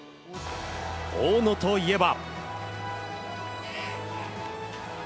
大野といえば。